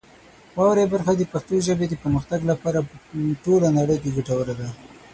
واورئ برخه د پښتو ژبې د پرمختګ لپاره په ټوله نړۍ کې ګټوره ده.